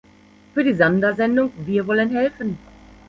Für die Sondersendung "Wir wollen helfen!